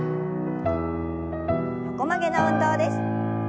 横曲げの運動です。